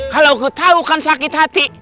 kalau kau tau kan sakit hati